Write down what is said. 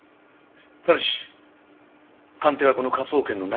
ただし鑑定はこの科捜研の中でのみ行う事。